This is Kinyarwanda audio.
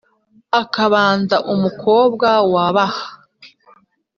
akabanza umukobwa w abaha